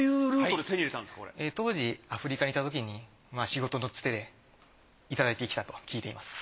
当時アフリカにいたとき仕事のつてでいただいてきたと聞いています。